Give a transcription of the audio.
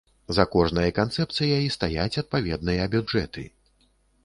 За кожнай канцэпцыяй стаяць адпаведныя бюджэты.